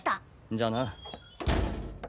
じゃあな。